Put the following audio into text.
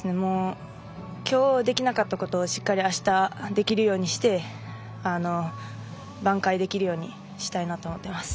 今日できなかったことをしっかりあしたできるようにして挽回できるようにしたいなと思っています。